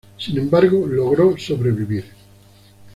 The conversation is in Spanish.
Sin embargo, logró sobrevivir.